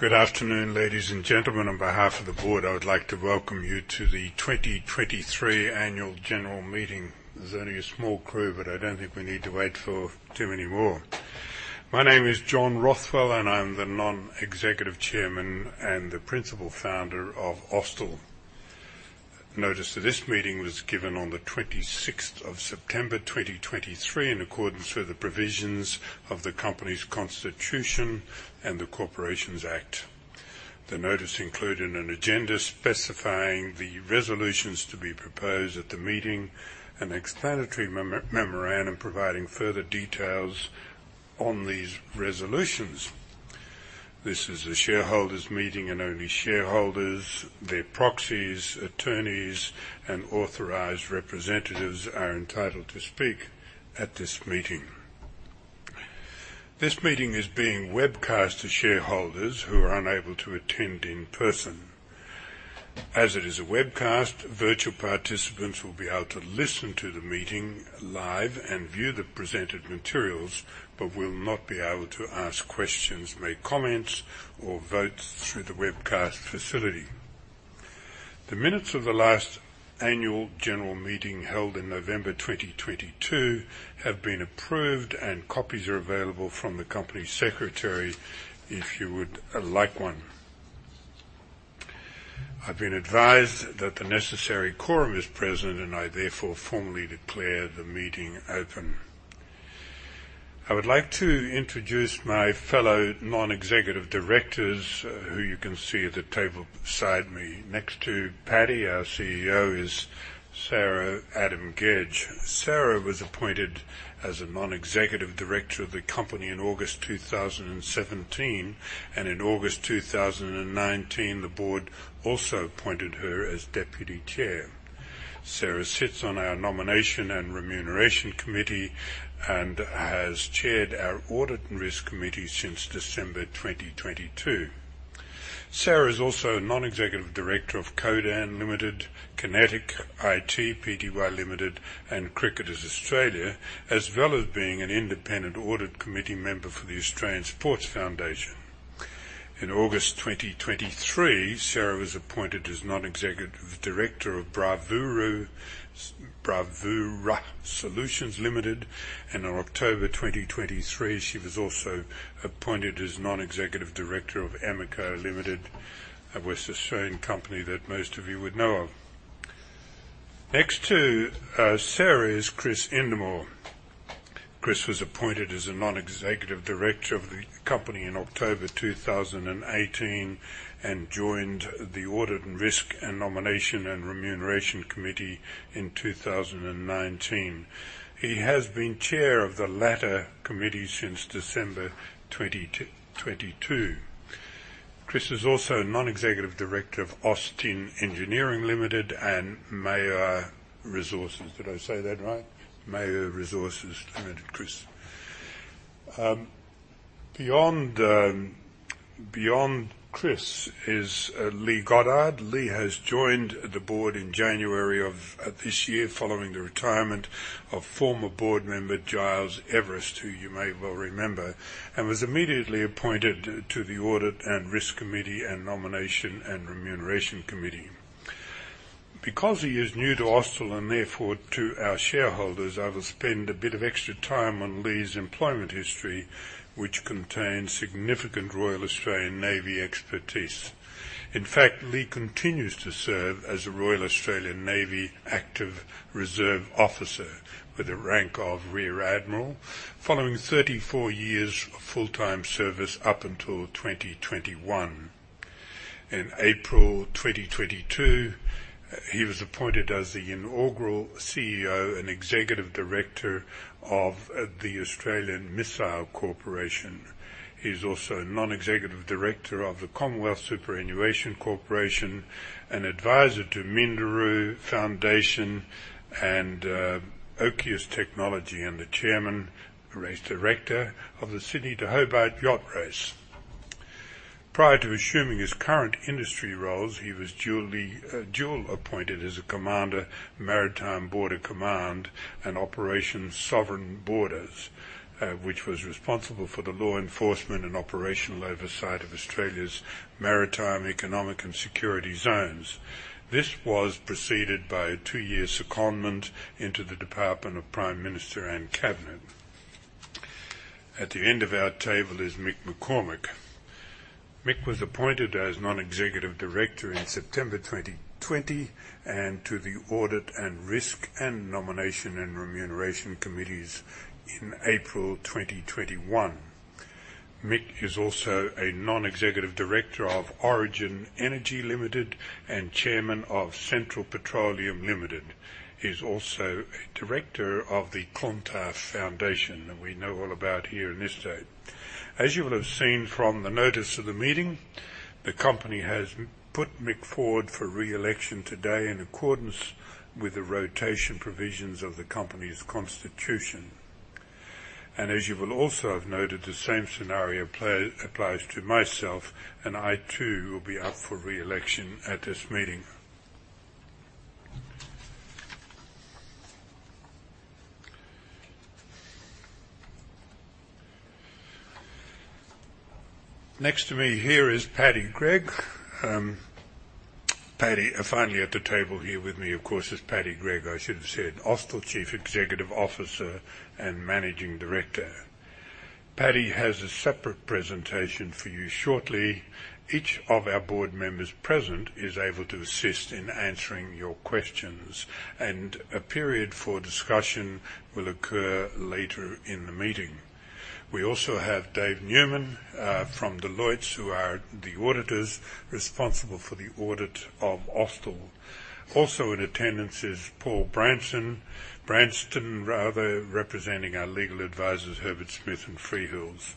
Good afternoon, ladies and gentlemen. On behalf of the board, I would like to welcome you to the 2023 annual general meeting. There's only a small crew, but I don't think we need to wait for too many more. My name is John Rothwell, and I'm the non-executive Chairman and the principal founder of Austal. Notice that this meeting was given on the 26th of September, 2023, in accordance with the provisions of the company's constitution and the Corporations Act. The notice included an agenda specifying the resolutions to be proposed at the meeting, an explanatory memo, memorandum, providing further details on these resolutions. This is a shareholders' meeting, and only shareholders, their proxies, attorneys, and authorized representatives are entitled to speak at this meeting. This meeting is being webcast to shareholders who are unable to attend in person. As it is a webcast, virtual participants will be able to listen to the meeting live and view the presented materials, but will not be able to ask questions, make comments, or vote through the webcast facility. The minutes of the last annual general meeting, held in November 2022, have been approved and copies are available from the company secretary if you would like one. I've been advised that the necessary quorum is present, and I therefore formally declare the meeting open. I would like to introduce my fellow non-executive directors, who you can see at the table beside me. Next to Paddy, our CEO, is Sarah Adam-Gedge. Sarah was appointed as a non-executive director of the company in August 2017, and in August 2019, the board also appointed her as deputy chair. Sarah sits on our nomination and remuneration committee and has chaired our audit and risk committee since December 2022. Sarah is also a non-executive director of Codan Limited, Kinetic IT Pty Ltd, and Cricket Australia, as well as being an independent audit committee member for the Australian Sports Foundation. In August 2023, Sarah was appointed as non-executive director of Bravura Solutions Limited, and in October 2023, she was also appointed as non-executive director of Emeco Limited, a West Australian company that most of you would know of. Next to Sarah is Chris Indermaur. Chris was appointed as a non-executive director of the company in October 2018, and joined the Audit and Risk and Nomination and Remuneration Committee in 2019. He has been chair of the latter committee since December 2022. Chris is also a non-executive director of Austin Engineering Limited and Mayur Resources. Did I say that right? Mayur Resources Limited, Chris. Beyond Chris is Lee Goddard. Lee has joined the board in January of this year, following the retirement of former board member Giles Everist, who you may well remember, and was immediately appointed to the Audit and Risk Committee and Nomination and Remuneration Committee. Because he is new to Austal and therefore to our shareholders, I will spend a bit of extra time on Lee's employment history, which contains significant Royal Australian Navy expertise. In fact, Lee continues to serve as a Royal Australian Navy active reserve officer with a rank of Rear Admiral, following 34 years of full-time service up until 2021. In April 2022, he was appointed as the inaugural CEO and executive director of, the Australian Missile Corporation. He's also a non-executive director of the Commonwealth Superannuation Corporation, an advisor to Minderoo Foundation and, Ocius Technology, and the chairman race director of the Sydney to Hobart Yacht Race. Prior to assuming his current industry roles, he was dually, dual appointed as a commander, Maritime Border Command and Operation Sovereign Borders, which was responsible for the law enforcement and operational oversight of Australia's maritime, economic, and security zones. This was preceded by a two-year secondment into the Department of the Prime Minister and Cabinet. At the end of our table is Mick McCormack. Mick was appointed as non-executive director in September 2020, and to the Audit and Risk and Nomination and Remuneration Committees in April 2021. Mick is also a non-executive director of Origin Energy Limited and chairman of Central Petroleum Limited. He's also a director of the Clontarf Foundation, and we know all about here in this state. As you will have seen from the notice of the meeting, the company has put Mick forward for re-election today in accordance with the rotation provisions of the company's constitution. As you will also have noted, the same scenario applies to myself, and I, too, will be up for re-election at this meeting. Next to me here is Paddy Gregg. Paddy, finally at the table here with me, of course, is Paddy Gregg, I should have said, Austal Chief Executive Officer and Managing Director. Paddy has a separate presentation for you shortly. Each of our board members present is able to assist in answering your questions, and a period for discussion will occur later in the meeting. We also have Dave Newman from Deloitte, who are the auditors responsible for the audit of Austal. Also in attendance is Paul Branston, representing our legal advisors, Herbert Smith Freehills.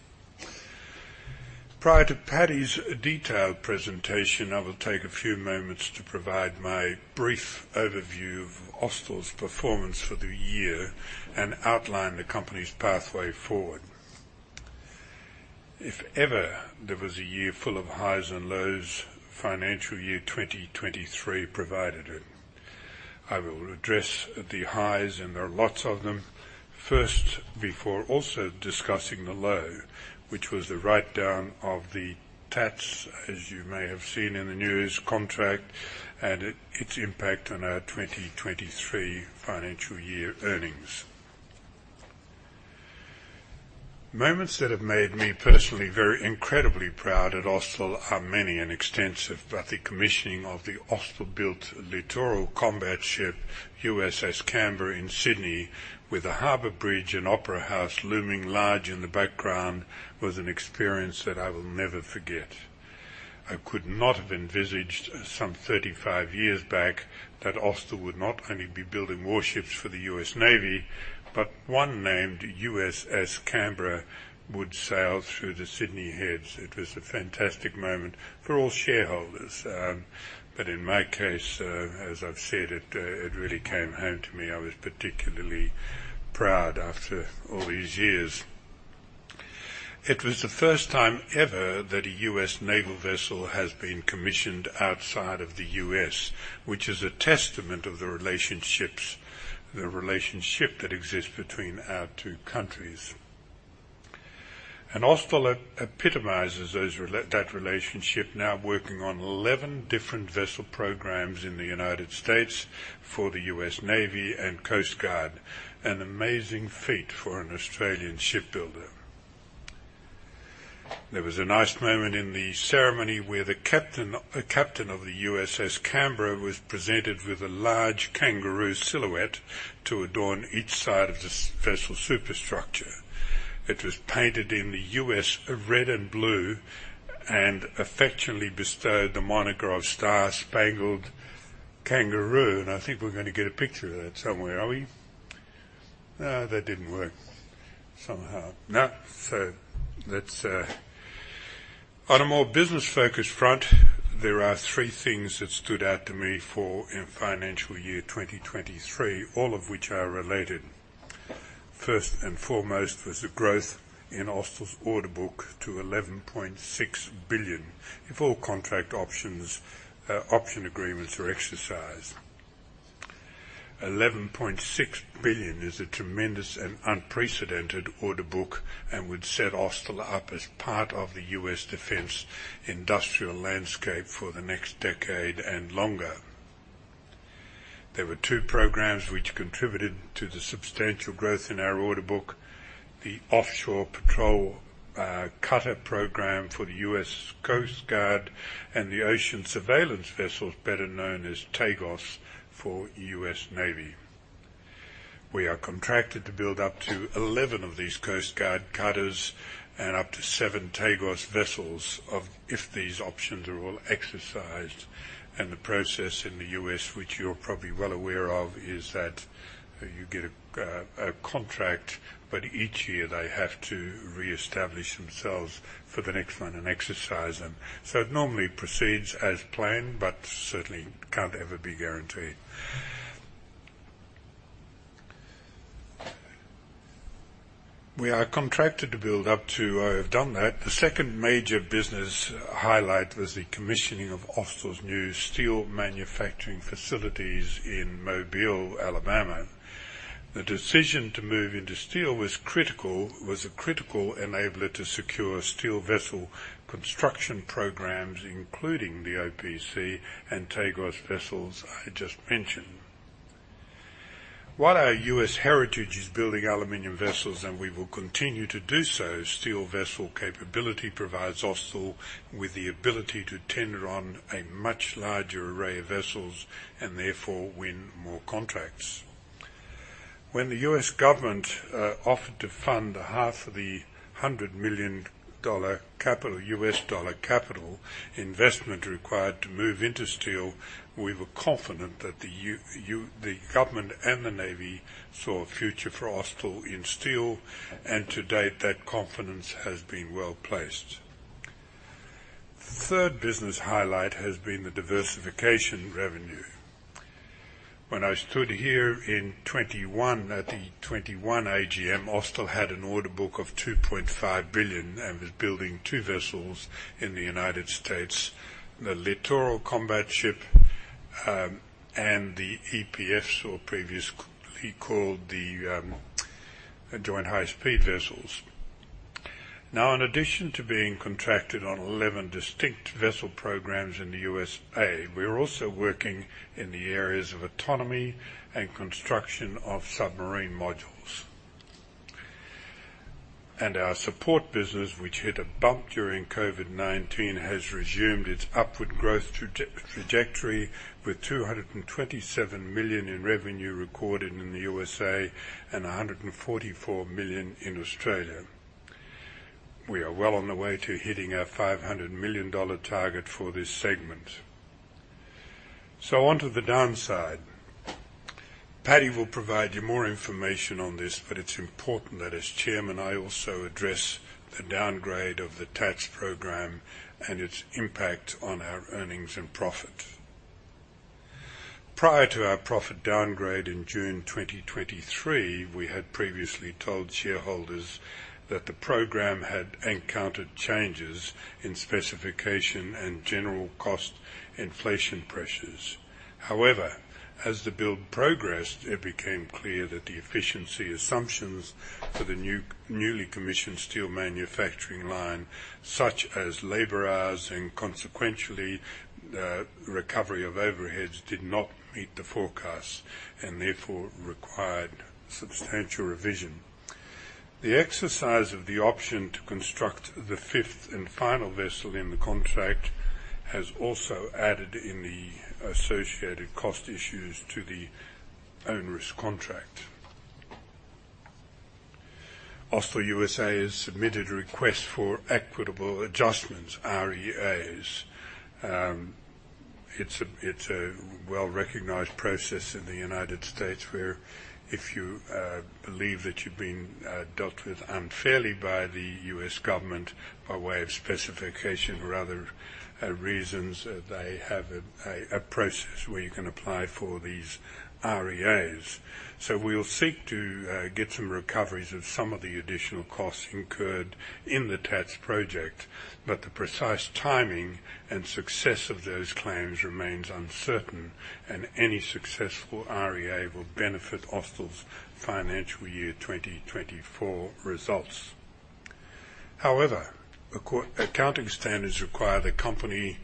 Prior to Paddy's detailed presentation, I will take a few moments to provide my brief overview of Austal's performance for the year and outline the company's pathway forward. If ever there was a year full of highs and lows, financial year 2023 provided it. I will address the highs, and there are lots of them, first, before also discussing the low, which was the write-down of the T-ATS, as you may have seen in the news contract, and its impact on our 2023 financial year earnings. Moments that have made me personally very incredibly proud at Austal are many and extensive, but the commissioning of the Austal-built littoral combat ship, USS Canberra in Sydney, with the Harbour Bridge and Opera House looming large in the background, was an experience that I will never forget. I could not have envisaged some 35 years back that Austal would not only be building warships for the U.S. Navy, but one named USS Canberra, would sail through the Sydney Heads. It was a fantastic moment for all shareholders. But in my case, as I've said, it really came home to me. I was particularly proud after all these years. It was the first time ever that a U.S. naval vessel has been commissioned outside of the U.S., which is a testament of the relationship that exists between our two countries. And Austal epitomizes that relationship, now working on 11 different vessel programs in the United States for the U.S. Navy and Coast Guard, an amazing feat for an Australian shipbuilder. There was a nice moment in the ceremony where the captain, the captain of the USS Canberra, was presented with a large kangaroo silhouette to adorn each side of this vessel's superstructure. It was painted in the U.S. red and blue and affectionately bestowed the monogram of Star Spangled Kangaroo, and I think we're gonna get a picture of that somewhere, are we? That didn't work somehow. No. So let's... On a more business-focused front, there are three things that stood out to me for in financial year 2023, all of which are related. First and foremost, was the growth in Austal's order book to $11.6 billion, if all contract options, option agreements are exercised. $11.6 billion is a tremendous and unprecedented order book and would set Austal up as part of the U.S. defense industrial landscape for the next decade and longer. There were two programs which contributed to the substantial growth in our order book. The Offshore Patrol Cutter program for the U.S. Coast Guard and the Ocean Surveillance Vessels, better known as T-AGOS, for U.S. Navy. We are contracted to build up to 11 of these Coast Guard cutters and up to 7 T-AGOS vessels of... If these options are all exercised, and the process in the U.S., which you're probably well aware of, is that you get a, a contract, but each year they have to reestablish themselves for the next one and exercise them. So it normally proceeds as planned, but certainly can't ever be guaranteed. We are contracted to build up to, I have done that. The second major business highlight was the commissioning of Austal's new steel manufacturing facilities in Mobile, Alabama. The decision to move into steel was critical, was a critical enabler to secure steel vessel construction programs, including the OPC and T-AGOS vessels I just mentioned. While our U.S. heritage is building aluminum vessels, and we will continue to do so, steel vessel capability provides Austal with the ability to tender on a much larger array of vessels and therefore win more contracts. When the U.S. government offered to fund half of the $100 million capital investment required to move into steel, we were confident that the government and the Navy saw a future for Austal in steel, and to date, that confidence has been well placed. Third business highlight has been the diversification revenue. When I stood here in 2021, at the 2021 AGM, Austal had an order book of 2.5 billion and was building two vessels in the United States, the littoral combat ship and the EPF, or previously called the Joint High Speed Vessels. Now, in addition to being contracted on 11 distinct vessel programs in the USA, we are also working in the areas of autonomy and construction of submarine modules. Our support business, which hit a bump during COVID-19, has resumed its upward growth trajectory, with 227 million in revenue recorded in the USA and 144 million in Australia. We are well on the way to hitting our 500 million dollar target for this segment. So on to the downside. Paddy will provide you more information on this, but it's important that as chairman, I also address the downgrade of the T-ATS program and its impact on our earnings and profit. Prior to our profit downgrade in June 2023, we had previously told shareholders that the program had encountered changes in specification and general cost inflation pressures. However, as the build progressed, it became clear that the efficiency assumptions for the new, newly commissioned steel manufacturing line, such as labor hours and consequentially, the recovery of overheads, did not meet the forecast and therefore required substantial revision. The exercise of the option to construct the fifth and final vessel in the contract has also added in the associated cost issues to the own-risk contract. Austal USA has submitted a request for equitable adjustments, REAs. It's a, it's a well-recognized process in the United States, where if you believe that you've been dealt with unfairly by the U.S. government by way of specification or other reasons, they have a, a, a process where you can apply for these REAs. So we'll seek to get some recoveries of some of the additional costs incurred in the T-ATS project, but the precise timing and success of those claims remains uncertain, and any successful REA will benefit Austal's financial year 2024 results. However, accounting standards require the company to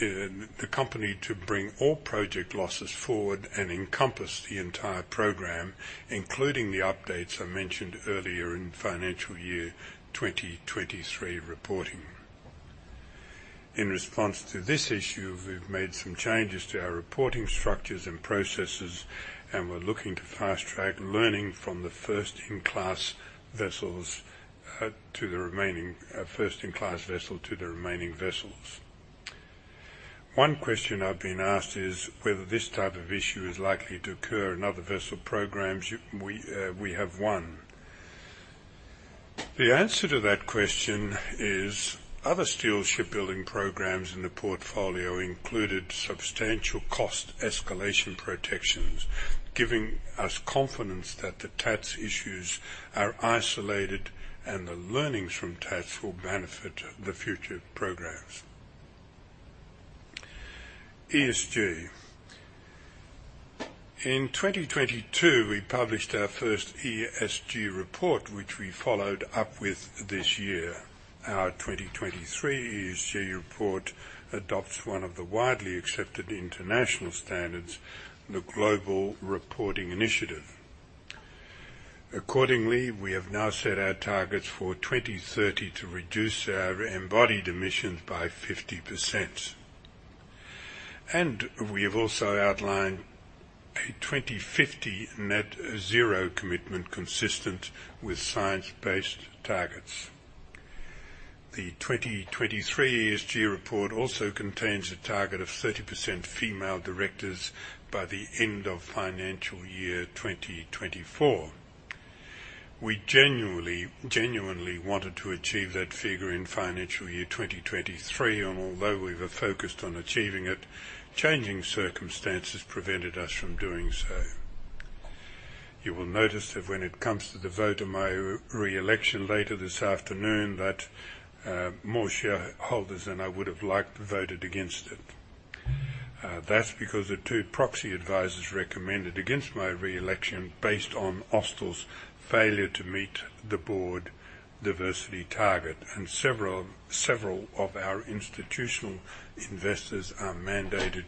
the company to bring all project losses forward and encompass the entire program, including the updates I mentioned earlier in financial year 2023 reporting. In response to this issue, we've made some changes to our reporting structures and processes, and we're looking to fast-track learning from the first-in-class vessels to the remaining first-in-class vessel to the remaining vessels. One question I've been asked is whether this type of issue is likely to occur in other vessel programs we we have won. The answer to that question is, other steel shipbuilding programs in the portfolio included substantial cost escalation protections, giving us confidence that the T-ATS issues are isolated and the learnings from T-ATS will benefit the future programs. ESG. In 2022, we published our first ESG report, which we followed up with this year. Our 2023 ESG report adopts one of the widely accepted international standards, the Global Reporting Initiative. Accordingly, we have now set our targets for 2030 to reduce our embodied emissions by 50%, and we have also outlined a 2050 net zero commitment consistent with science-based targets. The 2023 ESG report also contains a target of 30% female directors by the end of financial year 2024. We genuinely, genuinely wanted to achieve that figure in financial year 2023, and although we were focused on achieving it, changing circumstances prevented us from doing so. You will notice that when it comes to the vote of my re-election later this afternoon, that, more shareholders than I would have liked voted against it. That's because the two proxy advisors recommended against my re-election based on Austal's failure to meet the board diversity target, and several, several of our institutional investors are mandated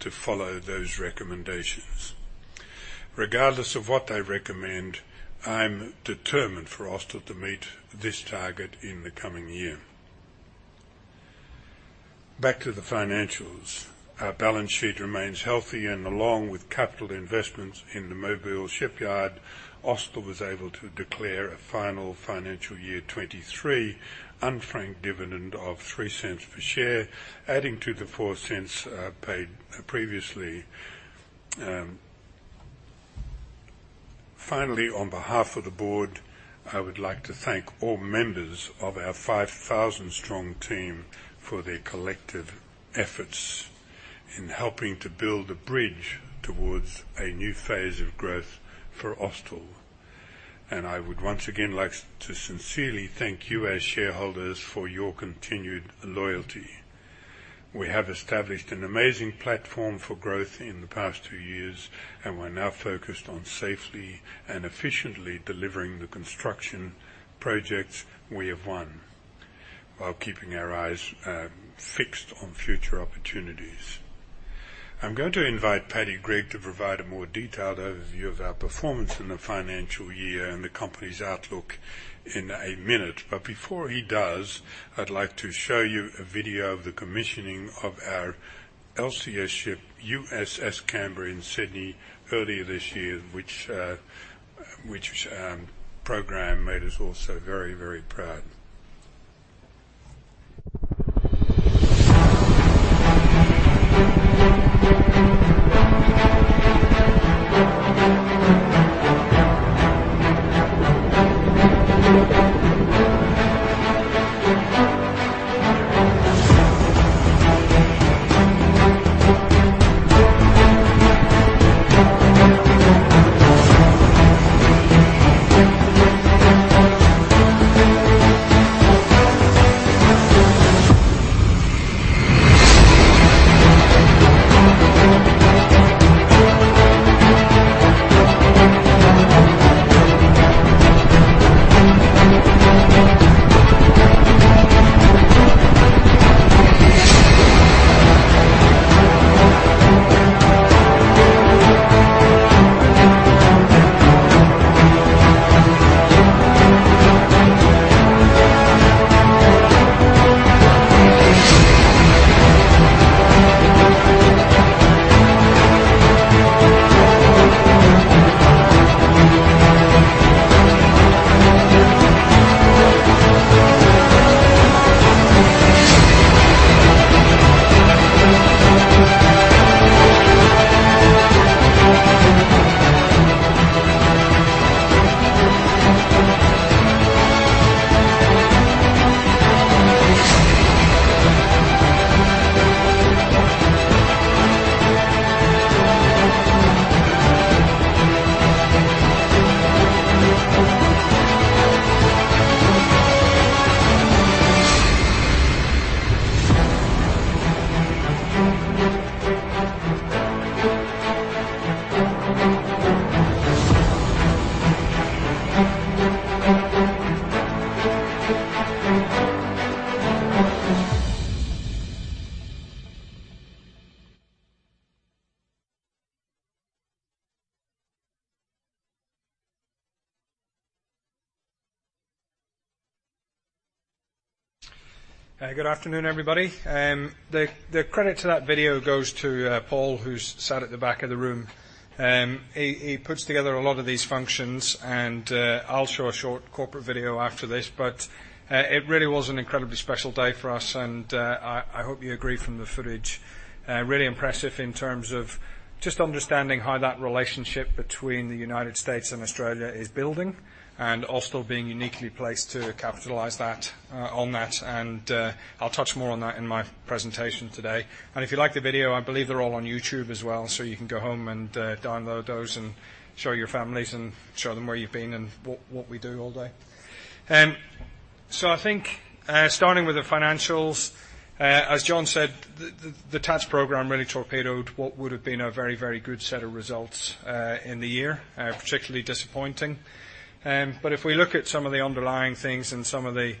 to follow those recommendations. Regardless of what they recommend, I'm determined for Austal to meet this target in the coming year. Back to the financials. Our balance sheet remains healthy, and along with capital investments in the Mobile shipyard, Austal was able to declare a final financial year 2023 unfranked dividend of 0.03 per share, adding to the 0.04 paid previously. Finally, on behalf of the board, I would like to thank all members of our 5,000-strong team for their collective efforts in helping to build a bridge towards a new phase of growth for Austal. I would once again like to sincerely thank you, as shareholders, for your continued loyalty... We have established an amazing platform for growth in the past two years, and we're now focused on safely and efficiently delivering the construction projects we have won, while keeping our eyes fixed on future opportunities. I'm going to invite Paddy Gregg to provide a more detailed overview of our performance in the financial year and the company's outlook in a minute. But before he does, I'd like to show you a video of the commissioning of our LCS ship, USS Canberra, in Sydney earlier this year, which program made us all so very, very proud. Good afternoon, everybody. The credit to that video goes to Paul, who's sat at the back of the room. He puts together a lot of these functions, and I'll show a short corporate video after this. But it really was an incredibly special day for us, and I hope you agree from the footage. Really impressive in terms of just understanding how that relationship between the United States and Australia is building, and Austal being uniquely placed to capitalize on that. And I'll touch more on that in my presentation today. And if you like the video, I believe they're all on YouTube as well, so you can go home and download those, and show your families and show them where you've been and what we do all day. So I think, starting with the financials, as John said, the T-ATS program really torpedoed what would've been a very, very good set of results in the year. Particularly disappointing. But if we look at some of the underlying things and some of the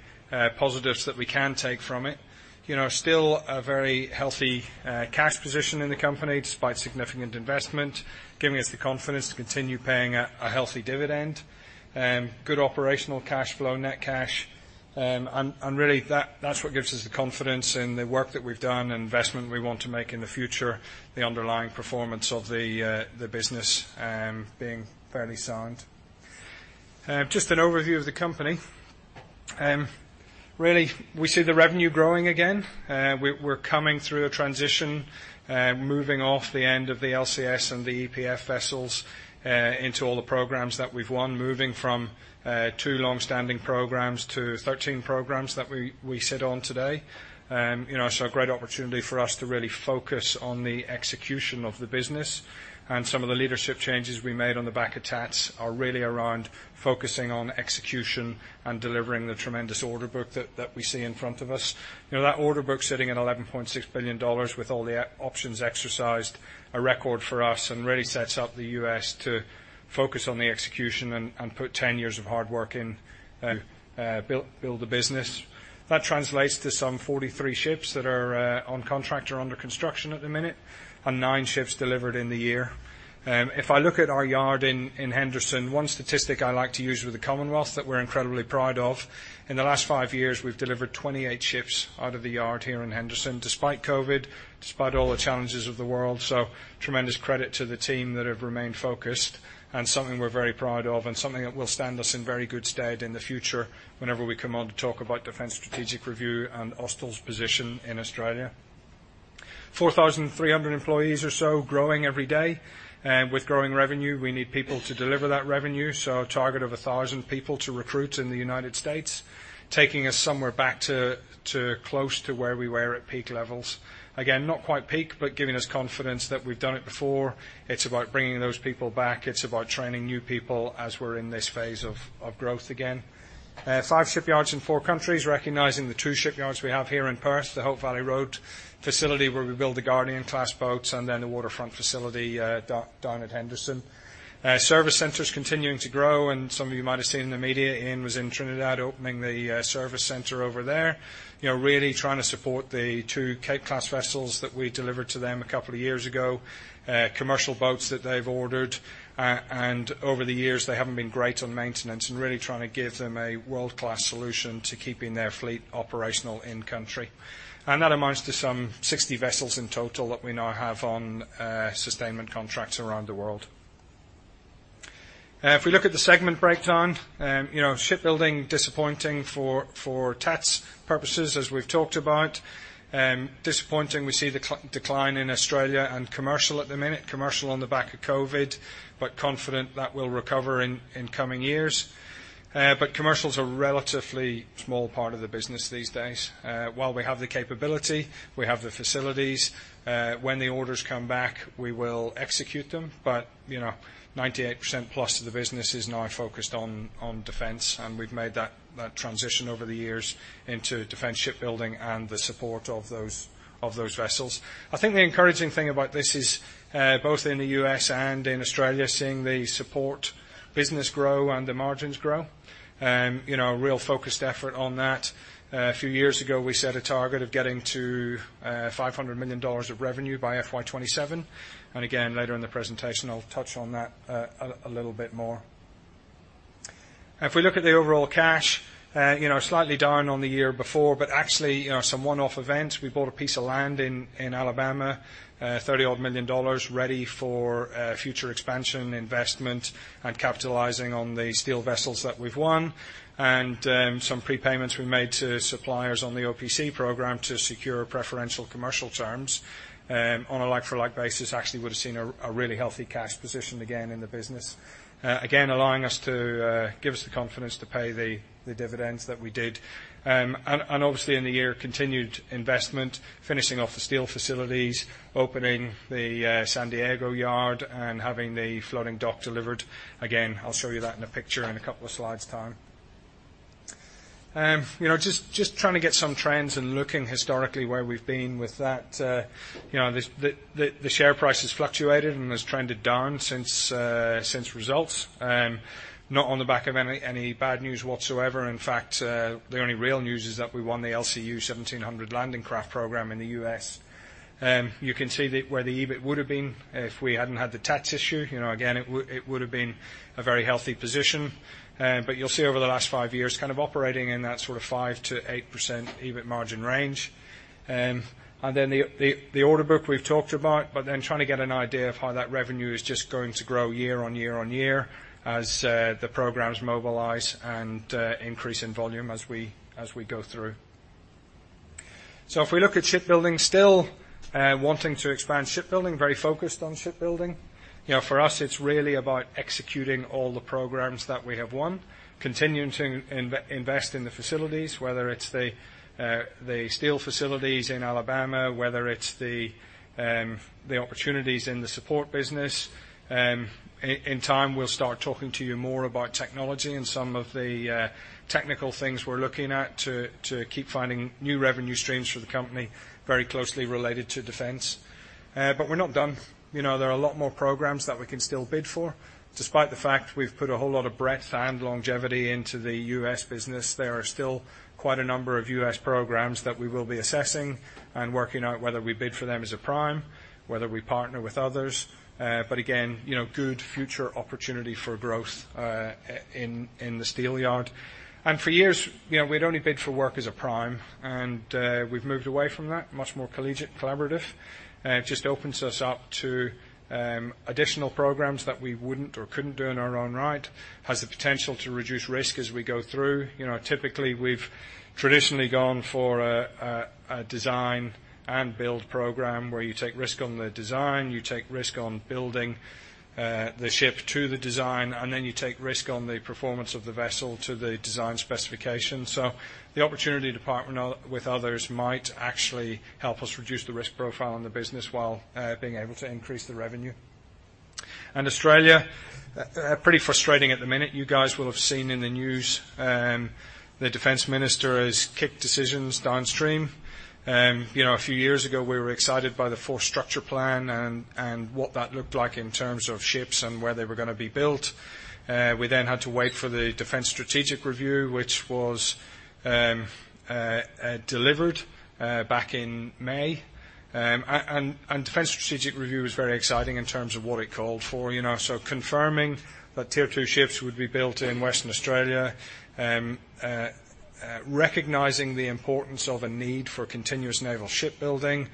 positives that we can take from it, you know, still a very healthy cash position in the company, despite significant investment, giving us the confidence to continue paying a healthy dividend. Good operational cash flow, net cash. And really, that's what gives us the confidence in the work that we've done and investment we want to make in the future, the underlying performance of the business being fairly sound. Just an overview of the company. Really, we see the revenue growing again. We're coming through a transition, moving off the end of the LCS and the EPF vessels, into all the programs that we've won. Moving from two long-standing programs to 13 programs that we sit on today. You know, so a great opportunity for us to really focus on the execution of the business. Some of the leadership changes we made on the back of T-ATS are really around focusing on execution and delivering the tremendous order book that we see in front of us. You know, that order book sitting at $11.6 billion with all the options exercised, a record for us, and really sets up the US to focus on the execution and put 10 years of hard work in, build a business. That translates to some 43 ships that are on contract or under construction at the minute, and nine ships delivered in the year. If I look at our yard in Henderson, one statistic I like to use with the Commonwealth, that we're incredibly proud of, in the last five years, we've delivered 28 ships out of the yard here in Henderson, despite COVID, despite all the challenges of the world. So tremendous credit to the team that have remained focused, and something we're very proud of, and something that will stand us in very good stead in the future whenever we come on to talk about Defence Strategic Review and Austal's position in Australia... 4,300 employees or so, growing every day. With growing revenue, we need people to deliver that revenue, so a target of 1,000 people to recruit in the United States, taking us somewhere back to close to where we were at peak levels. Again, not quite peak, but giving us confidence that we've done it before. It's about bringing those people back. It's about training new people as we're in this phase of growth again. Five shipyards in 4 countries, recognizing the 2 shipyards we have here in Perth, the Hope Valley Road facility, where we build the Guardian-class boats, and then the waterfront facility down at Henderson. Service centers continuing to grow, and some of you might have seen in the media, Ian was in Trinidad, opening the service center over there. You know, really trying to support the two Cape-class vessels that we delivered to them a couple of years ago. Commercial boats that they've ordered, and over the years, they haven't been great on maintenance, and really trying to give them a world-class solution to keeping their fleet operational in country. That amounts to some 60 vessels in total that we now have on sustainment contracts around the world. If we look at the segment breakdown, you know, shipbuilding disappointing for T-ATS' purposes, as we've talked about. Disappointing, we see the decline in Australia and commercial at the minute. Commercial on the back of COVID, but confident that will recover in coming years. But commercial's a relatively small part of the business these days. While we have the capability, we have the facilities, when the orders come back, we will execute them. But, you know, 98% plus of the business is now focused on defense, and we've made that transition over the years into defense shipbuilding and the support of those vessels. I think the encouraging thing about this is, both in the US and in Australia, seeing the support business grow and the margins grow. You know, a real focused effort on that. A few years ago, we set a target of getting to 500 million dollars of revenue by FY 2027, and again, later in the presentation, I'll touch on that a little bit more. If we look at the overall cash, you know, slightly down on the year before, but actually, you know, some one-off events. We bought a piece of land in Alabama, $30-odd million, ready for future expansion, investment, and capitalizing on the steel vessels that we've won. Some prepayments we made to suppliers on the OPC program to secure preferential commercial terms. On a like-for-like basis, actually would've seen a really healthy cash position again in the business. Again, allowing us to give us the confidence to pay the dividends that we did. Obviously, in the year, continued investment, finishing off the steel facilities, opening the San Diego yard, and having the floating dock delivered. Again, I'll show you that in a picture in a couple of slides' time. You know, just trying to get some trends and looking historically where we've been with that. You know, the share price has fluctuated and has trended down since results. Not on the back of any bad news whatsoever. In fact, the only real news is that we won the LCU 1700 Landing Craft program in the US. You can see where the EBIT would've been if we hadn't had the T-ATS issue. You know, again, it would've been a very healthy position. But you'll see over the last five years, kind of operating in that sort of 5%-8% EBIT margin range. And then the order book we've talked about, but then trying to get an idea of how that revenue is just going to grow year on year on year, as the programs mobilize and increase in volume as we go through. So if we look at shipbuilding, still wanting to expand shipbuilding, very focused on shipbuilding. You know, for us, it's really about executing all the programs that we have won, continuing to invest in the facilities, whether it's the steel facilities in Alabama, whether it's the opportunities in the support business. In time, we'll start talking to you more about technology and some of the technical things we're looking at to keep finding new revenue streams for the company, very closely related to defense. But we're not done. You know, there are a lot more programs that we can still bid for. Despite the fact we've put a whole lot of breadth and longevity into the US business, there are still quite a number of US programs that we will be assessing and working out whether we bid for them as a prime, whether we partner with others. But again, you know, good future opportunity for growth, in the steel yard. And for years, you know, we'd only bid for work as a prime, and, we've moved away from that. Much more collegiate, collaborative. It just opens us up to, additional programs that we wouldn't or couldn't do in our own right, has the potential to reduce risk as we go through. You know, typically, we've traditionally gone for a design and build program, where you take risk on the design, you take risk on building, the ship to the design, and then you take risk on the performance of the vessel to the design specification. So the opportunity to partner with others might actually help us reduce the risk profile in the business, while being able to increase the revenue. Australia, pretty frustrating at the minute. You guys will have seen in the news, the Defence Minister has kicked decisions downstream. You know, a few years ago, we were excited by the Force Structure Plan and what that looked like in terms of ships and where they were gonna be built. We then had to wait for the Defence Strategic Review, which was delivered back in May. Defence Strategic Review was very exciting in terms of what it called for, you know. So confirming that Tier Two ships would be built in Western Australia, recognizing the importance of a need for continuous naval shipbuilding,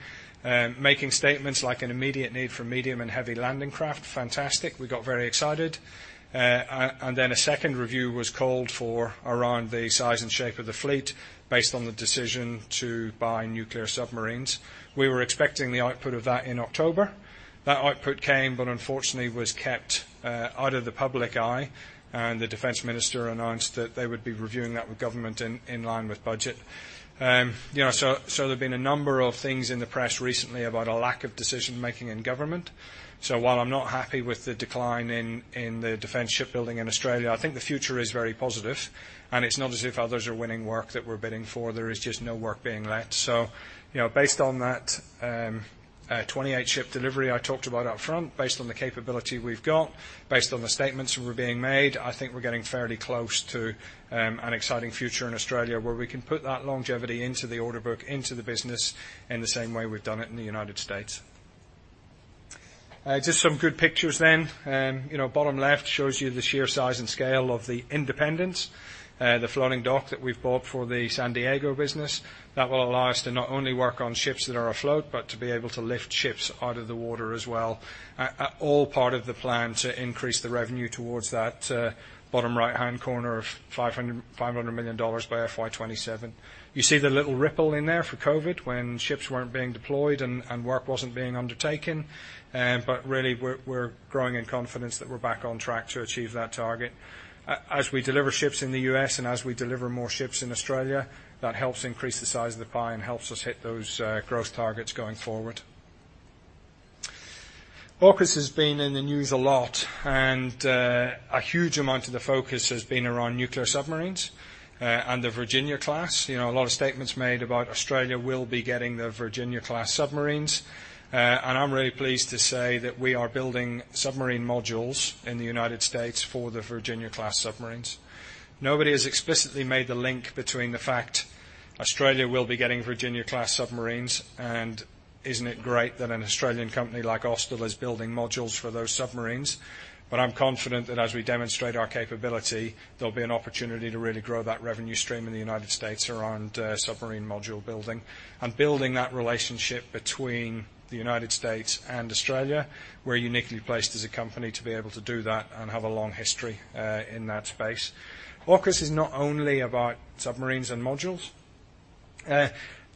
making statements like an immediate need for medium and heavy landing craft. Fantastic. We got very excited. And then a second review was called for around the size and shape of the fleet, based on the decision to buy nuclear submarines. We were expecting the output of that in October. That output came, but unfortunately, was kept out of the public eye, and the Defence Minister announced that they would be reviewing that with government in line with budget. You know, so there've been a number of things in the press recently about a lack of decision-making in government. So while I'm not happy with the decline in the defense shipbuilding in Australia, I think the future is very positive, and it's not as if others are winning work that we're bidding for. There is just no work being let. So, you know, based on that, 28 ship delivery I talked about up front, based on the capability we've got, based on the statements that were being made, I think we're getting fairly close to an exciting future in Australia, where we can put that longevity into the order book, into the business, in the same way we've done it in the United States. Just some good pictures then. You know, bottom left shows you the sheer size and scale of the Independence, the floating dock that we've bought for the San Diego business. That will allow us to not only work on ships that are afloat, but to be able to lift ships out of the water as well. All part of the plan to increase the revenue towards that bottom right-hand corner of 500 million dollars by FY 2027. You see the little ripple in there for COVID, when ships weren't being deployed and work wasn't being undertaken, but really, we're growing in confidence that we're back on track to achieve that target. As we deliver ships in the US, and as we deliver more ships in Australia, that helps increase the size of the pie and helps us hit those growth targets going forward. AUKUS has been in the news a lot, and a huge amount of the focus has been around nuclear submarines, and the Virginia-class. You know, a lot of statements made about Australia will be getting the Virginia-class submarines. And I'm really pleased to say that we are building submarine modules in the United States for the Virginia-class submarines. Nobody has explicitly made the link between the fact Australia will be getting Virginia-class submarines, and isn't it great that an Australian company like Austal is building modules for those submarines? But I'm confident that as we demonstrate our capability, there'll be an opportunity to really grow that revenue stream in the United States around submarine module building. And building that relationship between the United States and Australia, we're uniquely placed as a company to be able to do that and have a long history in that space. AUKUS is not only about submarines and modules. You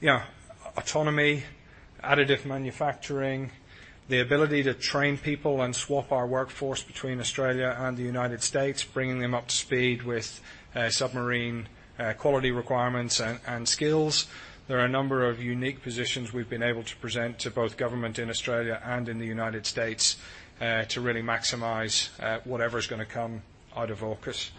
know, autonomy, additive manufacturing, the ability to train people and swap our workforce between Australia and the United States, bringing them up to speed with submarine quality requirements and, and skills. There are a number of unique positions we've been able to present to both government in Australia and in the United States to really maximize whatever's gonna come out of AUKUS.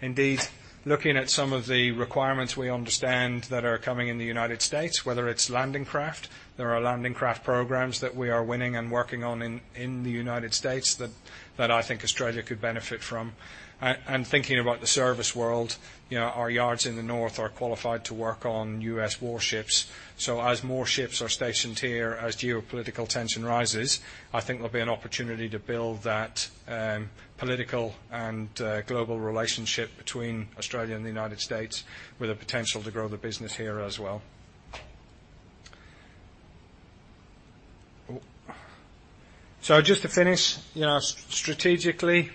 Indeed, looking at some of the requirements we understand that are coming in the United States, whether it's landing craft, there are landing craft programs that we are winning and working on in the United States that I think Australia could benefit from. And thinking about the service world, you know, our yards in the north are qualified to work on U.S. warships. So as more ships are stationed here, as geopolitical tension rises, I think there'll be an opportunity to build that, political and, global relationship between Australia and the United States, with a potential to grow the business here as well. So just to finish, you know, strategically,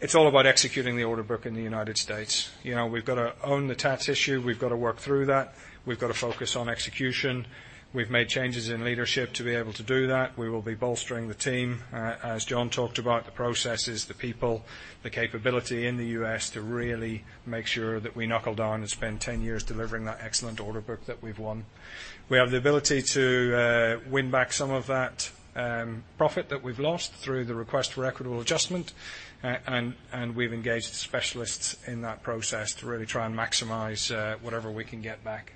it's all about executing the order book in the United States. You know, we've got to own the tax issue. We've got to work through that. We've got to focus on execution. We've made changes in leadership to be able to do that. We will be bolstering the team, as John talked about, the processes, the people, the capability in the U.S. to really make sure that we knuckle down and spend 10 years delivering that excellent order book that we've won. We have the ability to win back some of that profit that we've lost through the Request for Equitable Adjustment, and we've engaged specialists in that process to really try and maximize whatever we can get back.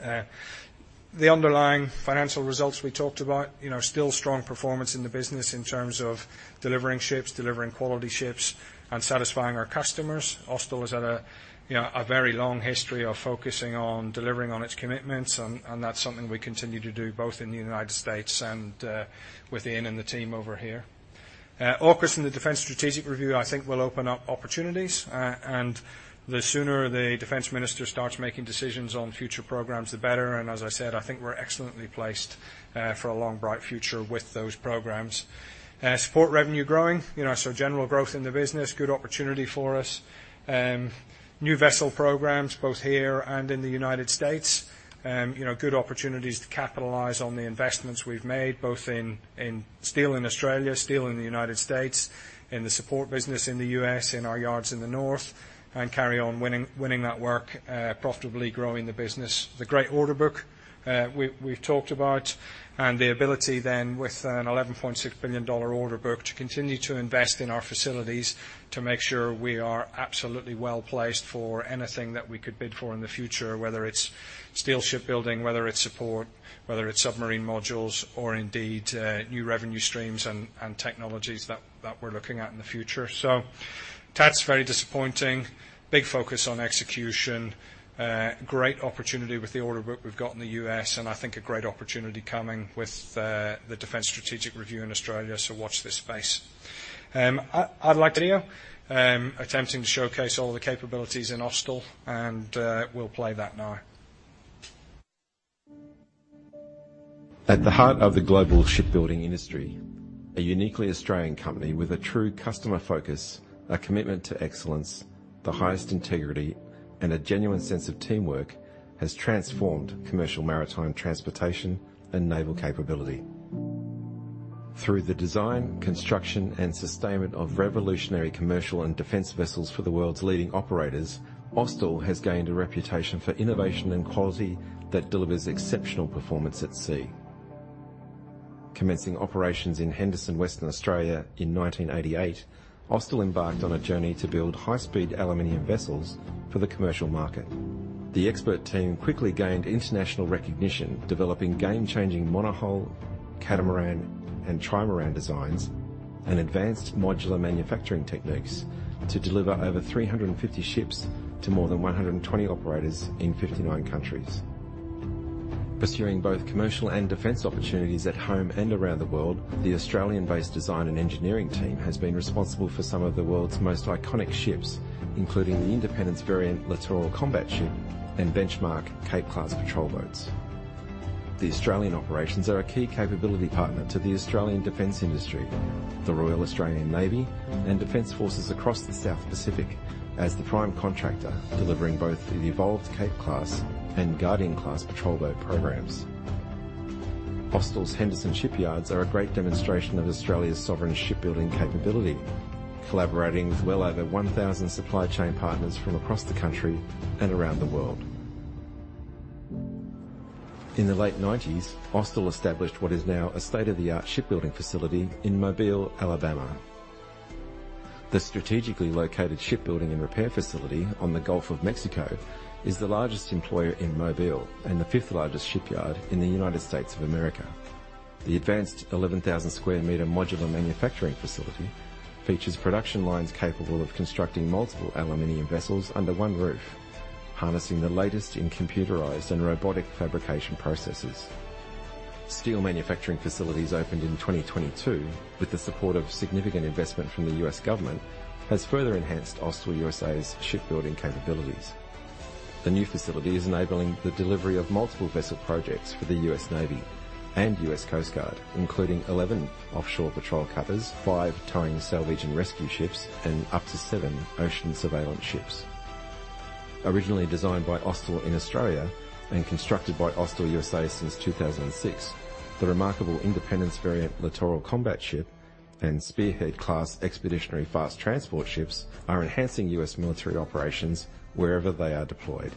The underlying financial results we talked about, you know, still strong performance in the business in terms of delivering ships, delivering quality ships, and satisfying our customers. Austal has had a, you know, a very long history of focusing on delivering on its commitments, and that's something we continue to do, both in the United States and with Ian and the team over here. AUKUS and the Defence Strategic Review, I think, will open up opportunities, and the sooner the Defense Minister starts making decisions on future programs, the better, and as I said, I think we're excellently placed, for a long, bright future with those programs. Support revenue growing, you know, so general growth in the business, good opportunity for us. New vessel programs, both here and in the United States. You know, good opportunities to capitalize on the investments we've made, both in, in steel in Australia, steel in the United States, in the support business in the U.S., in our yards in the north, and carry on winning, winning that work, profitably growing the business. The great order book, we, we've talked about, and the ability then, with an $11.6 billion order book, to continue to invest in our facilities to make sure we are absolutely well-placed for anything that we could bid for in the future, whether it's steel shipbuilding, whether it's support, whether it's submarine modules, or indeed, new revenue streams and technologies that we're looking at in the future. So tax, very disappointing. Big focus on execution. Great opportunity with the order book we've got in the US, and I think a great opportunity coming with, the Defence Strategic Review in Australia, so watch this space. I'd like to... attempting to showcase all the capabilities in Austal, and, we'll play that now. At the heart of the global shipbuilding industry, a uniquely Australian company with a true customer focus, a commitment to excellence, the highest integrity, and a genuine sense of teamwork, has transformed commercial maritime transportation and naval capability. Through the design, construction, and sustainment of revolutionary commercial and defense vessels for the world's leading operators, Austal has gained a reputation for innovation and quality that delivers exceptional performance at sea. Commencing operations in Henderson, Western Australia in 1988, Austal embarked on a journey to build high-speed aluminum vessels for the commercial market. The expert team quickly gained international recognition, developing game-changing monohull, catamaran, and trimaran designs, and advanced modular manufacturing techniques to deliver over 350 ships to more than 120 operators in 59 countries. Pursuing both commercial and defense opportunities at home and around the world, the Australian-based design and engineering team has been responsible for some of the world's most iconic ships, including the Independence-variant littoral combat ship and benchmark Cape-class patrol boats. The Australian operations are a key capability partner to the Australian Defense Industry, the Royal Australian Navy, and defense forces across the South Pacific, as the prime contractor delivering both the Evolved Cape-class and Guardian-class patrol boat programs. Austal's Henderson shipyards are a great demonstration of Australia's sovereign shipbuilding capability, collaborating with well over 1,000 supply chain partners from across the country and around the world. In the late nineties, Austal established what is now a state-of-the-art shipbuilding facility in Mobile, Alabama. The strategically located shipbuilding and repair facility on the Gulf of Mexico is the largest employer in Mobile and the fifth largest shipyard in the United States of America. The advanced 11,000 square meter modular manufacturing facility features production lines capable of constructing multiple aluminum vessels under one roof, harnessing the latest in computerized and robotic fabrication processes. Steel manufacturing facilities opened in 2022, with the support of significant investment from the U.S. government, has further enhanced Austal USA's shipbuilding capabilities. The new facility is enabling the delivery of multiple vessel projects for the U.S. Navy and U.S. Coast Guard, including 11 Offshore Patrol Cutters, 5 Towing, Salvage, and Rescue Ships, and up to 7 Ocean Surveillance Ships. Originally designed by Austal in Australia and constructed by Austal USA since 2006, the remarkable Independence-variant Littoral Combat Ship and Spearhead-class Expeditionary Fast Transport ships are enhancing U.S. military operations wherever they are deployed.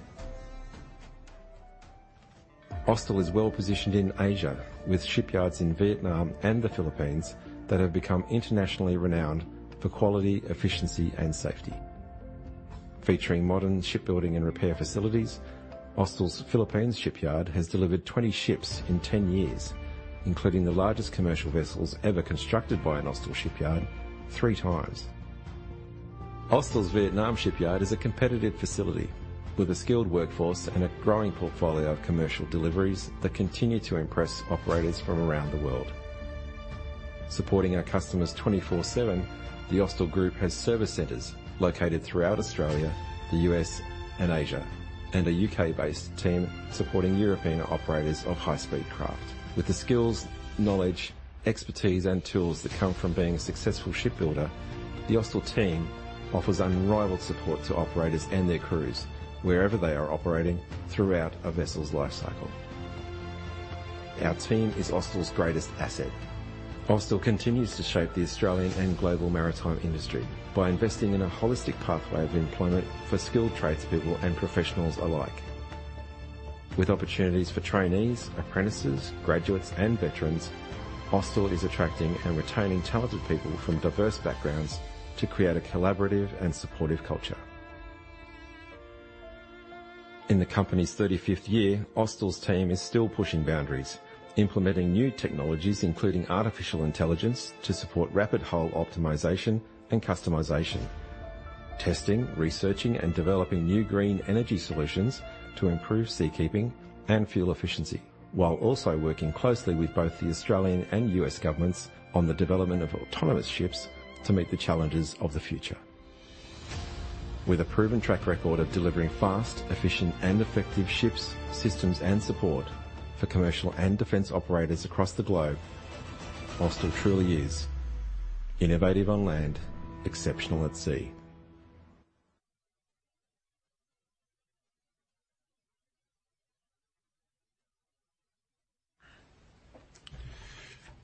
Austal is well positioned in Asia, with shipyards in Vietnam and the Philippines that have become internationally renowned for quality, efficiency, and safety. Featuring modern shipbuilding and repair facilities, Austal's Philippines shipyard has delivered 20 ships in 10 years, including the largest commercial vessels ever constructed by an Austal shipyard, 3 times. Austal's Vietnam shipyard is a competitive facility with a skilled workforce and a growing portfolio of commercial deliveries that continue to impress operators from around the world. Supporting our customers 24/7, the Austal Group has service centers located throughout Australia, the U.S., and Asia, and a U.K.-based team supporting European operators of high-speed craft. With the skills, knowledge, expertise, and tools that come from being a successful shipbuilder, the Austal team offers unrivaled support to operators and their crews wherever they are operating throughout a vessel's life cycle. Our team is Austal's greatest asset. Austal continues to shape the Australian and global maritime industry by investing in a holistic pathway of employment for skilled tradespeople and professionals alike. With opportunities for trainees, apprentices, graduates, and veterans, Austal is attracting and retaining talented people from diverse backgrounds to create a collaborative and supportive culture. In the company's thirty-fifth year, Austal's team is still pushing boundaries, implementing new technologies, including artificial intelligence, to support rapid hull optimization and customization. Testing, researching, and developing new green energy solutions to improve seakeeping and fuel efficiency, while also working closely with both the Australian and U.S. governments on the development of autonomous ships to meet the challenges of the future. With a proven track record of delivering fast, efficient, and effective ships, systems, and support for commercial and defense operators across the globe, Austal truly is innovative on land, exceptional at sea.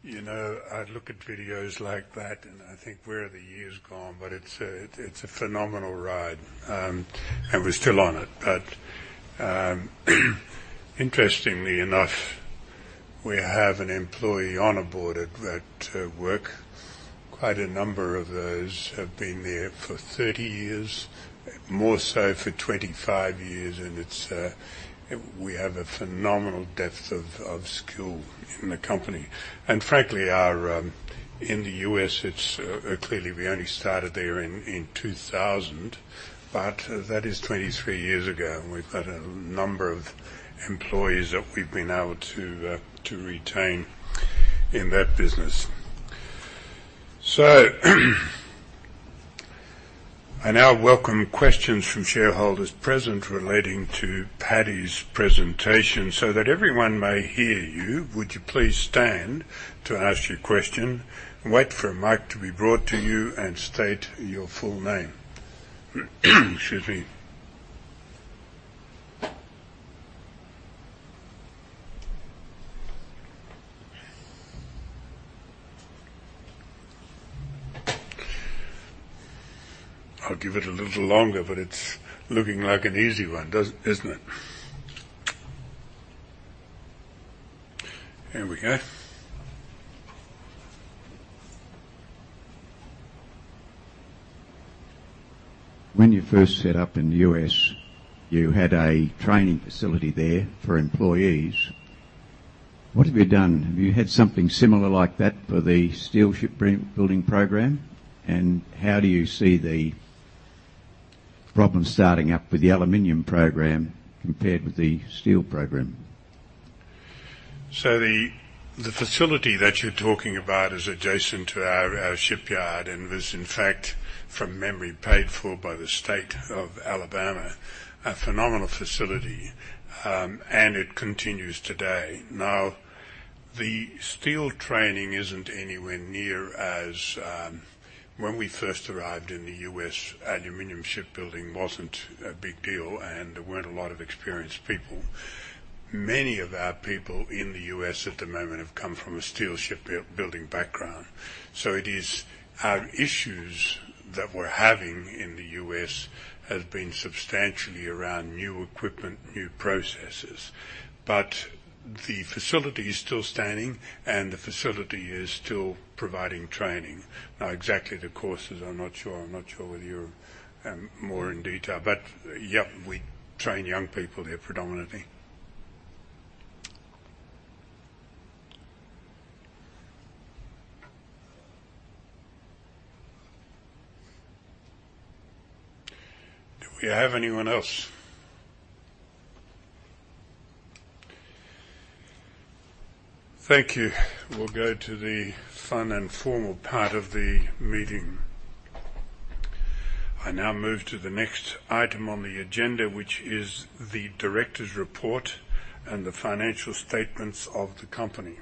You know, I look at videos like that, and I think, "Where have the years gone?" But it's a phenomenal ride, and we're still on it. But, interestingly enough, we have an employee on board at that work. Quite a number of those have been there for 30 years, more so for 25 years, and it's... We have a phenomenal depth of skill in the company, and frankly, our... In the US, it's clearly we only started there in 2000, but that is 23 years ago, and we've got a number of employees that we've been able to retain in that business. So, I now welcome questions from shareholders present relating to Paddy's presentation. So that everyone may hear you, would you please stand to ask your question, and wait for a mic to be brought to you, and state your full name. Excuse me. I'll give it a little longer, but it's looking like an easy one, isn't it? Here we go. When you first set up in the U.S., you had a training facility there for employees. What have you done? Have you had something similar like that for the steel shipbuilding program? And how do you see the problem starting up with the aluminum program compared with the steel program? So the facility that you're talking about is adjacent to our shipyard, and was, in fact, from memory, paid for by the state of Alabama. A phenomenal facility, and it continues today. Now, the steel training isn't anywhere near as... When we first arrived in the U.S., aluminum shipbuilding wasn't a big deal, and there weren't a lot of experienced people. Many of our people in the U.S. at the moment have come from a steel shipbuilding background. So it is, our issues that we're having in the U.S. have been substantially around new equipment, new processes. But the facility is still standing, and the facility is still providing training. Now, exactly the courses, I'm not sure. I'm not sure whether you're more in detail, but yep, we train young people there predominantly. Do we have anyone else? Thank you. We'll go to the fun and formal part of the meeting. I now move to the next item on the agenda, which is the directors' report and the financial statements of the company.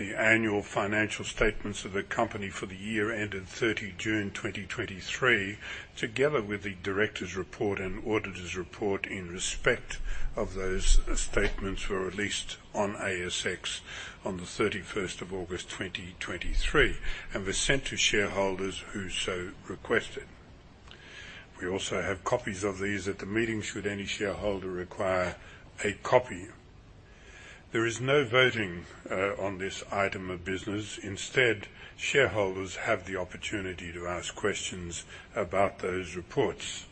The annual financial statements of the company for the year ended 30 June 2023, together with the directors' report and auditors' report in respect of those statements, were released on ASX on the 31st of August 2023, and were sent to shareholders who so requested. We also have copies of these at the meeting, should any shareholder require a copy. There is no voting on this item of business. Instead, shareholders have the opportunity to ask questions about those reports.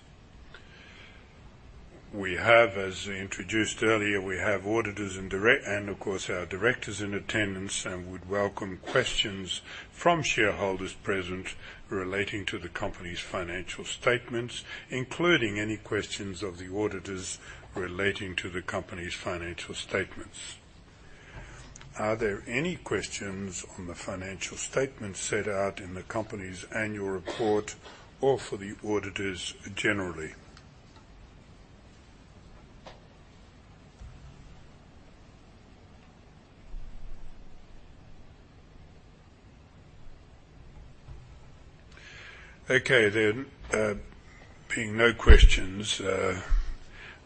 We have, as introduced earlier, we have auditors and directors and, of course, our directors in attendance, and we'd welcome questions from shareholders present relating to the company's financial statements, including any questions of the auditors relating to the company's financial statements. Are there any questions on the financial statements set out in the company's annual report or for the auditors generally? Okay, then, being no questions,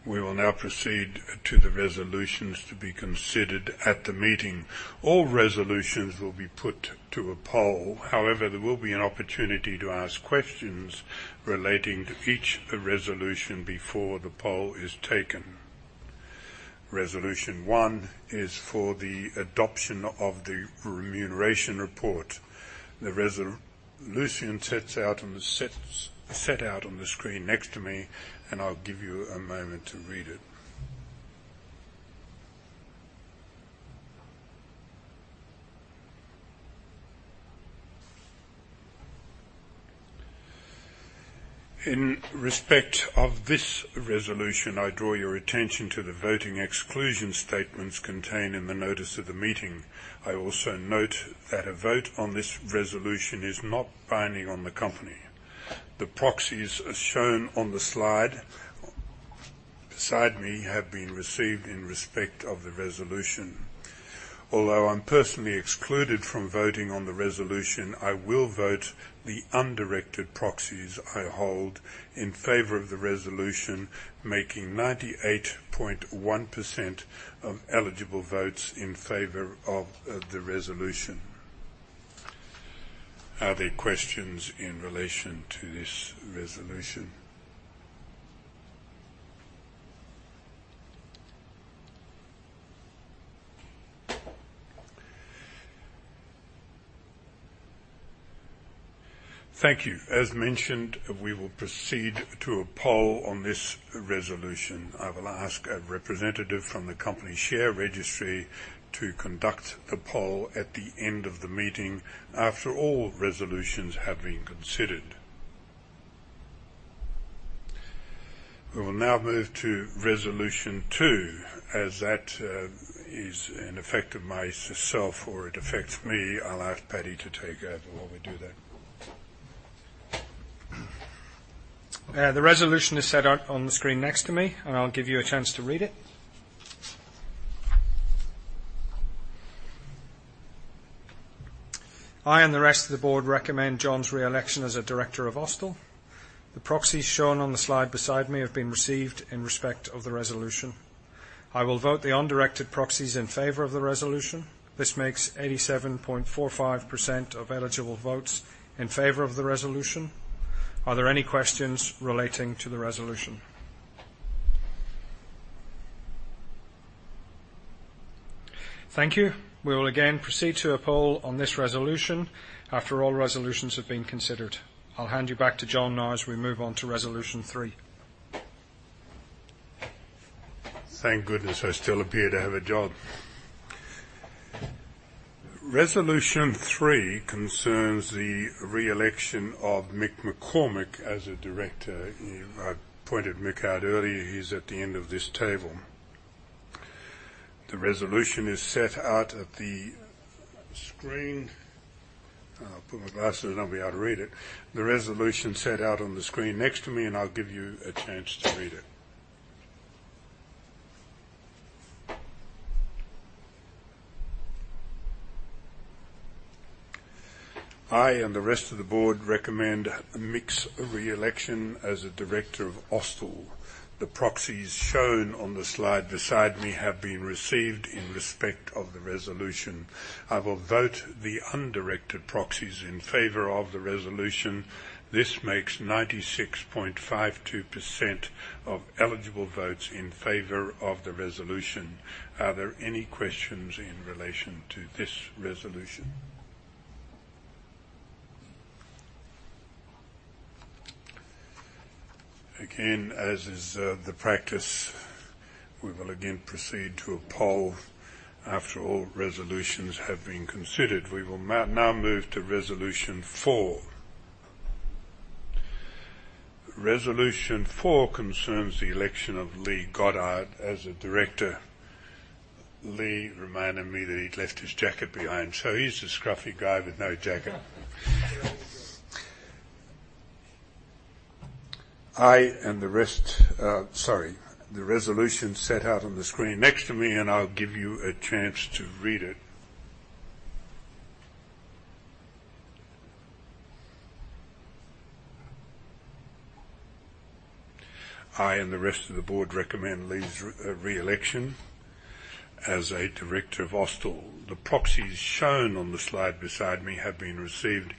we will now proceed to the resolutions to be considered at the meeting. All resolutions will be put to a poll. However, there will be an opportunity to ask questions relating to each resolution before the poll is taken. Resolution one is for the adoption of the remuneration report. The resolution set out on the screen next to me, and I'll give you a moment to read it. In respect of this resolution, I draw your attention to the voting exclusion statements contained in the notice of the meeting. I also note that a vote on this resolution is not binding on the company. The proxies, as shown on the slide beside me, have been received in respect of the resolution. Although I'm personally excluded from voting on the resolution, I will vote the undirected proxies I hold in favor of the resolution, making 98.1% of eligible votes in favor of the resolution. Are there questions in relation to this resolution? Thank you. As mentioned, we will proceed to a poll on this resolution. I will ask a representative from the company share registry to conduct the poll at the end of the meeting, after all resolutions have been considered. We will now move to Resolution Two. As that is an effect of myself, or it affects me, I'll ask Paddy to take over while we do that. The resolution is set out on the screen next to me, and I'll give you a chance to read it. I and the rest of the board recommend John's re-election as a director of Austal. The proxies shown on the slide beside me have been received in respect of the resolution. I will vote the undirected proxies in favor of the resolution. This makes 87.45% of eligible votes in favor of the resolution. Are there any questions relating to the resolution? Thank you. We will again proceed to a poll on this resolution after all resolutions have been considered. I'll hand you back to John now as we move on to Resolution Three. Thank goodness, I still appear to have a job. Resolution Three concerns the re-election of Mick McCormack as a director. I pointed Mick out earlier, he's at the end of this table. The resolution is set out at the screen. I'll put my glasses on, or I'll be able to read it. The resolution set out on the screen next to me, and I'll give you a chance to read it. I and the rest of the board recommend Mick's re-election as a director of Austal. The proxies shown on the slide beside me have been received in respect of the resolution. I will vote the undirected proxies in favor of the resolution. This makes 96.52% of eligible votes in favor of the resolution. Are there any questions in relation to this resolution? Again, as is, the practice, we will again proceed to a poll after all resolutions have been considered. We will now move to Resolution Four. Resolution Four concerns the election of Lee Goddard as a director. Lee reminded me that he'd left his jacket behind, so he's a scruffy guy with no jacket. I and the rest... Sorry, the resolution set out on the screen next to me, and I'll give you a chance to read it. I and the rest of the board recommend Lee's re-election as a director of Austal. The proxies shown on the slide beside me have been received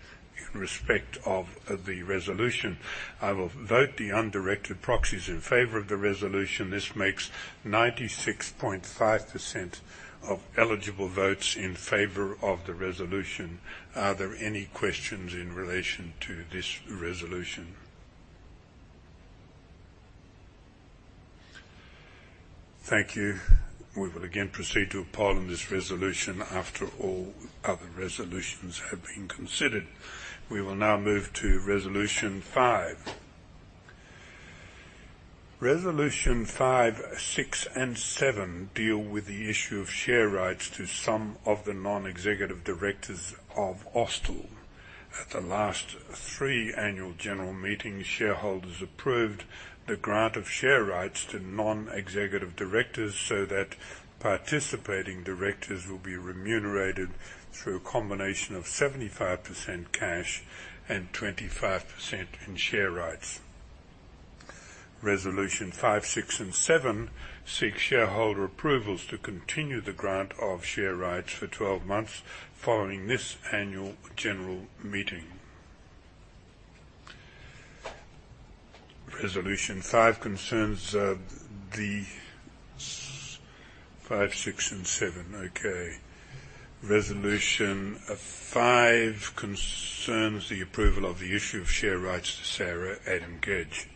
in respect of, of the resolution. I will vote the undirected proxies in favor of the resolution. This makes 96.5% of eligible votes in favor of the resolution. Are there any questions in relation to this resolution? Thank you. We will again proceed to a poll on this resolution after all other resolutions have been considered. We will now move to Resolution Five. Resolution Five, Six, and Seven deal with the issue of share rights to some of the non-executive directors of Austal. At the last 3 annual general meetings, shareholders approved the grant of share rights to non-executive directors, so that participating directors will be remunerated through a combination of 75% cash and 25% in share rights. Resolution Five, Six, and Seven seek shareholder approvals to continue the grant of share rights for 12 months following this annual general meeting. Resolution Five concerns the approval of the issue of share rights to Sarah Adam-Gedge.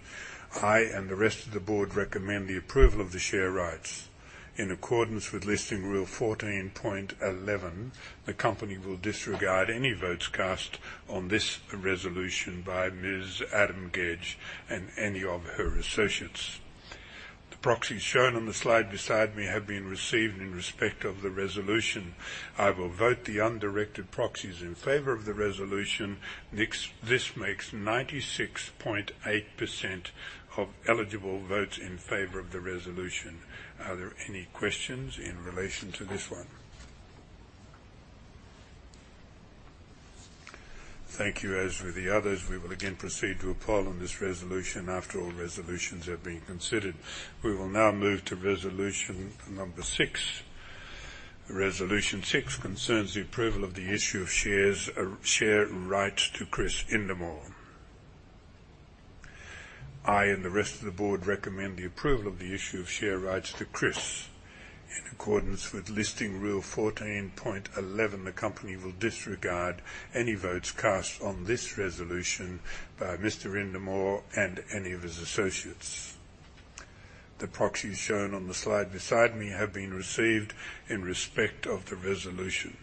I and the rest of the board recommend the approval of the share rights. In accordance with Listing Rule 14.11, the company will disregard any votes cast on this resolution by Ms. Adam-Gedge and any of her associates. The proxies shown on the slide beside me have been received in respect of the resolution. I will vote the undirected proxies in favor of the resolution. Nix- this makes 96.8% of eligible votes in favor of the resolution. Are there any questions in relation to this one? Thank you. As with the others, we will again proceed to a poll on this resolution after all resolutions have been considered. We will now move to Resolution number 6. Resolution 6 concerns the approval of the issue of shares, share rights to Chris Indermaur. I and the rest of the board recommend the approval of the issue of share rights to Chris. In accordance with Listing Rule 14.11, the company will disregard any votes cast on this resolution by Mr. Indermaur and any of his associates. The proxies shown on the slide beside me have been received in respect of the resolution.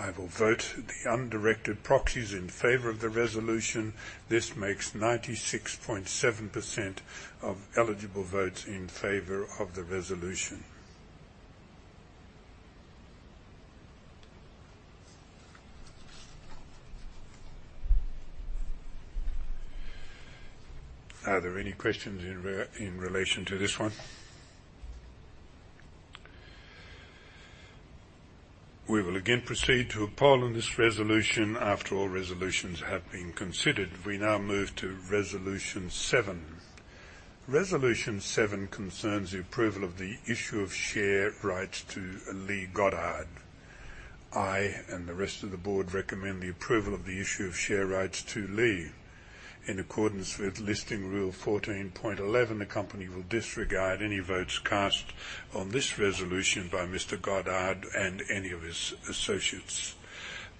I will vote the undirected proxies in favor of the resolution. This makes 96.7% of eligible votes in favor of the resolution. Are there any questions in relation to this one? We will again proceed to a poll on this resolution after all resolutions have been considered. We now move to Resolution Seven. Resolution Seven concerns the approval of the issue of share rights to Lee Goddard. I and the rest of the board recommend the approval of the issue of share rights to Lee. In accordance with Listing Rule 14.11, the company will disregard any votes cast on this resolution by Mr. Goddard and any of his associates.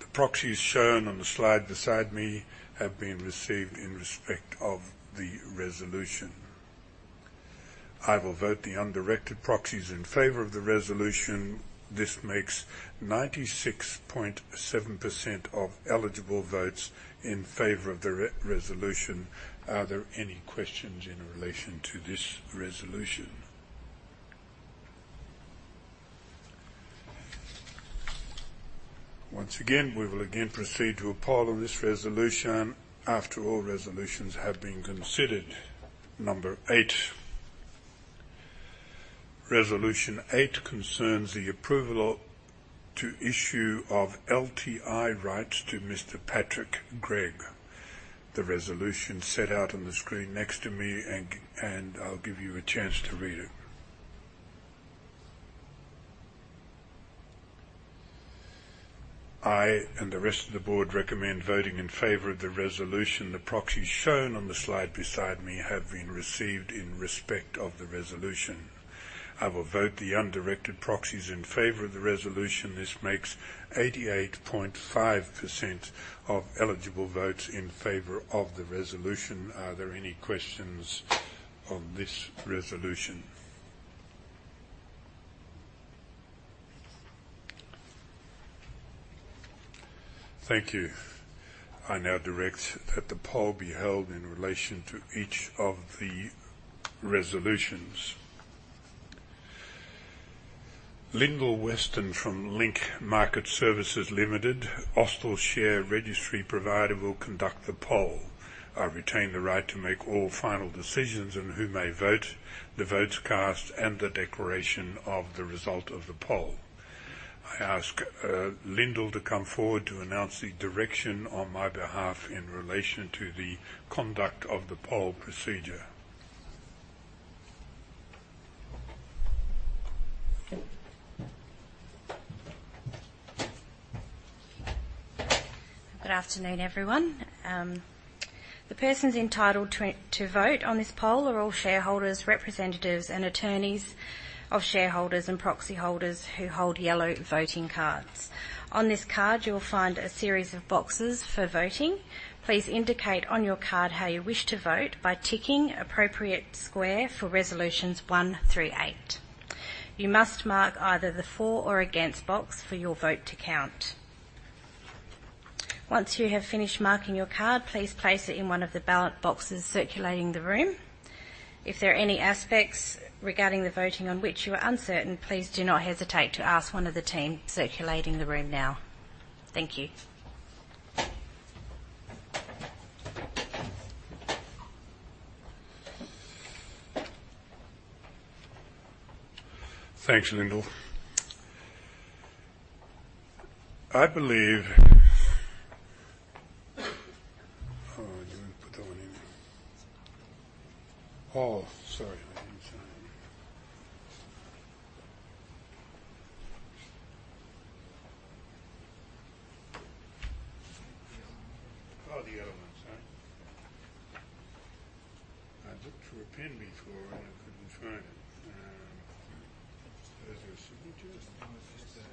The proxies shown on the slide beside me have been received in respect of the resolution. I will vote the undirected proxies in favor of the resolution. This makes 96.7% of eligible votes in favor of the resolution. Are there any questions in relation to this resolution? Once again, we will proceed to a poll on this resolution after all resolutions have been considered. 8. Resolution 8 concerns the approval to issue of LTI rights to Mr. Patrick Gregg. The resolution set out on the screen next to me, and I'll give you a chance to read it. I and the rest of the board recommend voting in favor of the resolution. The proxies shown on the slide beside me have been received in respect of the resolution. I will vote the undirected proxies in favor of the resolution. This makes 88.5% of eligible votes in favor of the resolution. Are there any questions on this resolution? Thank you. I now direct that the poll be held in relation to each of the resolutions. Lyndall Weston from Link Market Services Limited, Austal Share Registry Provider, will conduct the poll. I retain the right to make all final decisions on who may vote, the votes cast, and the declaration of the result of the poll. I ask Lyndall to come forward to announce the direction on my behalf in relation to the conduct of the poll procedure. Good afternoon, everyone. The persons entitled to vote on this poll are all shareholders, representatives, and attorneys of shareholders and proxy holders who hold yellow voting cards. On this card, you will find a series of boxes for voting. Please indicate on your card how you wish to vote by ticking appropriate square for resolutions one through eight. You must mark either the for or against box for your vote to count. Once you have finished marking your card, please place it in one of the ballot boxes circulating the room. If there are any aspects regarding the voting on which you are uncertain, please do not hesitate to ask one of the team circulating the room now. Thank you. Thanks, Lyndall. Oh, you want me to put that one in? Oh, sorry. I didn't sign it. Oh, the other one, sorry. I looked for a pen before, and I couldn't find it. There's your signature?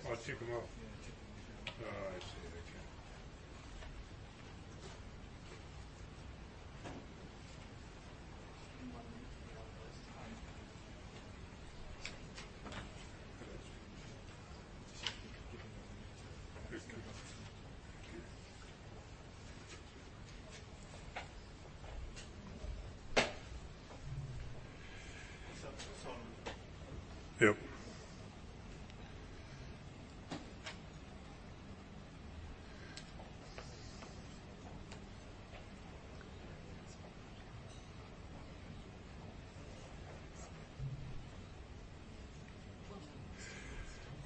Oh, I took them off. Yeah, took them off. Oh, I see.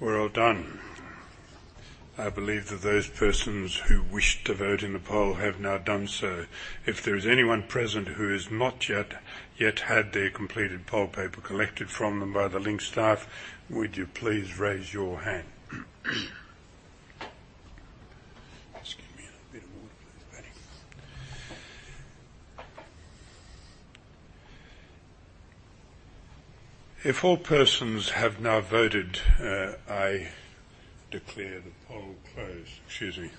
Okay. Yep. We're all done. I believe that those persons who wished to vote in the poll have now done so. If there is anyone present who has not yet had their completed poll paper collected from them by the Link staff, would you please raise your hand? Just give me a bit of water, please, Paddy. If all persons have now voted, I declare the poll closed. Excuse me.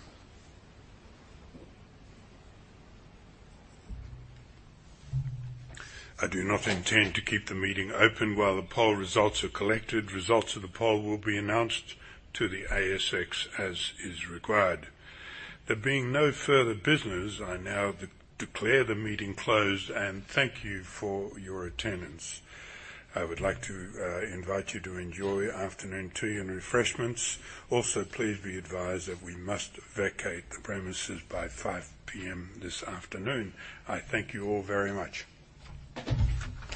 I do not intend to keep the meeting open while the poll results are collected. Results of the poll will be announced to the ASX as is required. There being no further business, I now declare the meeting closed, and thank you for your attendance. I would like to invite you to enjoy afternoon tea and refreshments. Also, please be advised that we must vacate the premises by 5 P.M. this afternoon. I thank you all very much.